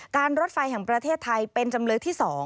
รถไฟแห่งประเทศไทยเป็นจำเลยที่๒